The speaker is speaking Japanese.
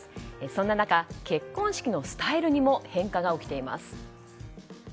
そんな中、結婚式のスタイルにも変化が起きています。